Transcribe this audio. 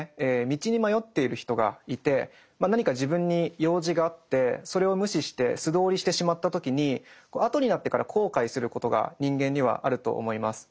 道に迷っている人がいて何か自分に用事があってそれを無視して素通りしてしまった時に後になってから後悔することが人間にはあると思います。